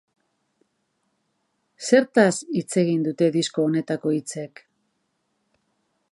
Zertaz hitz egiten dute disko honetako hitzek?